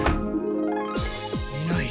いない。